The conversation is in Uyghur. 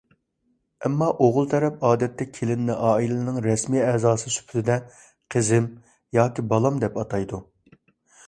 ئەمما ئوغۇل تەرەپ ئادەتتە كېلىننى ئائىلىنىڭ رەسمىي ئەزاسى سۈپىتىدە «قىزىم ياكى بالام» دەپ ئاتايدۇ.